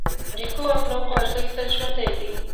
د ښو اخلاقو ارزښت تل ژوندی وي.